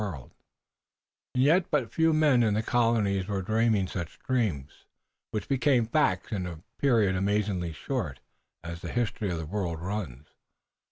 And yet but few men in the colonies were dreaming such dreams, which became facts in a period amazingly short, as the history of the world runs.